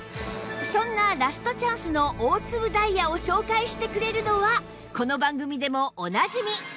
そんなラストチャンスの大粒ダイヤを紹介してくれるのはこの番組でもおなじみ